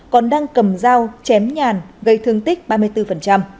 còn đang cầm dao chém nhàn gây thương tích ba mươi bốn